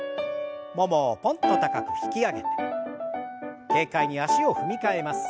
ももをポンと高く引き上げて軽快に足を踏み替えます。